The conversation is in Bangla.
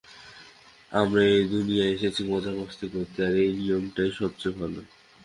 আমরা এ দুনিয়ায় এসেছি মজা-মাস্তি করতে, - আর এই নিয়মটাই সবচেয়ে ভালো।